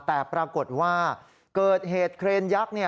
แต่ปรากฏว่าเกิดเหตุเครนยักษ์